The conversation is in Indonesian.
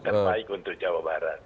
terbaik untuk jawa barat